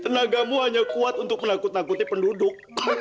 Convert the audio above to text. tenagamu hanya kuat untuk menakuti penduduk